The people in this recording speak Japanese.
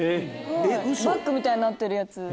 バッグみたいになってる。